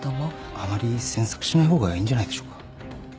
あまり詮索しない方がいいんじゃないでしょうか。